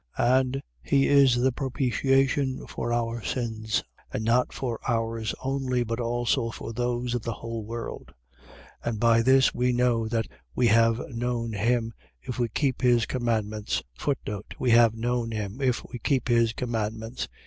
2:2. And he is the propitiation for our sins: and not for ours only, but also for those of the whole world. 2:3. And by this we know that we have known him, if we keep his commandments. We have known him, if we keep his commandments.